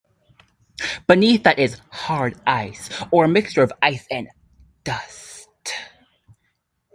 Beneath that is hard ice, or a mixture of ice and dust.